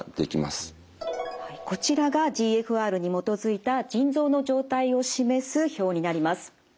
こちらがＧＦＲに基づいた腎臓の状態を示す表になります。